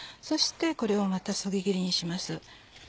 そしてこれをまたそぎ切りにします。